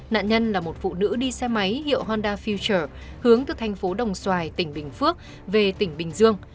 nạn nhân là một phụ nữ đi xe máy hiệu honda futer hướng từ thành phố đồng xoài tỉnh bình phước về tỉnh bình dương